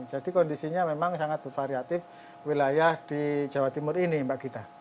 jadi kondisinya memang sangat bervariatif wilayah di jawa timur ini pak gita